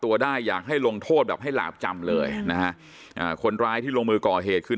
ตัวได้อยากให้ลงโทษแบบให้หลาบจำเลยนะฮะอ่าคนร้ายที่ลงมือก่อเหตุคือ